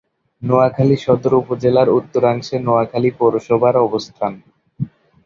নোয়াখালী সদর উপজেলার উত্তরাংশে নোয়াখালী পৌরসভার অবস্থান।